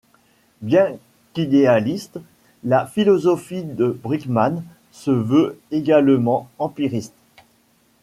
Bien qu'idéaliste, la philosophie de Brightman se veut également empiriste.